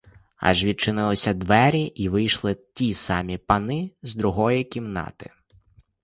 Аж відчинилися двері, і вийшли ті самі пани з другої кімнати.